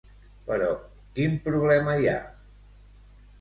Però quin problema hi ha?